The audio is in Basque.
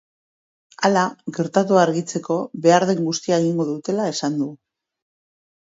Hala, gertatua argitzeko behar den guztia egingo dutela esan du.